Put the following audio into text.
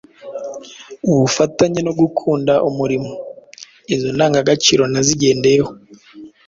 ubufatanye no gukunda umurimo. Izo ndangagaciro nazigendeyeho